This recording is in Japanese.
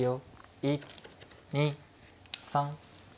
１２３。